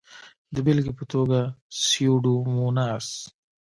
د بېلګې په توګه سیوډوموناس.